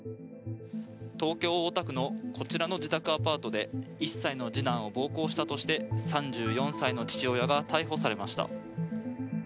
東京・大田区のこちらの自宅アパートで１歳の次男を暴行したとして３４歳の父親が逮捕されました。